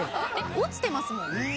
落ちてますもん。